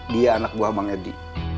dia anak buah bang edi